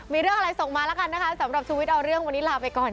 มีเรื่องอะไรส่งมาแล้วกันนะคะสำหรับชุวิตเอาเรื่องวันนี้ลาไปก่อน